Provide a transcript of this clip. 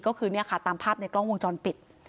ก็คือเนี่ยค่ะตามภาพในกล้องวงจรปิด